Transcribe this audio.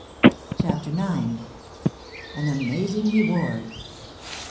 CHAPTER IX. AN AMAZING REWARD.